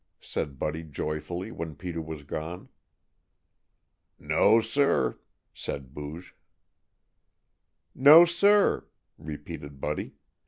said Buddy joyfully, when Peter was gone. "No, sir!" said Booge. "No, sir!" repeated Buddy.